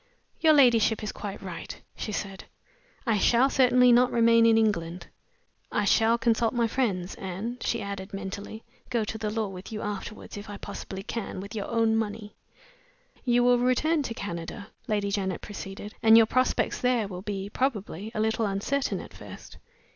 "Your ladyship is quite right," she said. "I shall certainly not remain in England. I shall consult my friends and," she added, mentally, "go to law with you afterward, if I possibly can, with your own money!" "You will return to Canada," Lady Janet proceeded; "and your prospects there will be, probably, a little uncertain at first.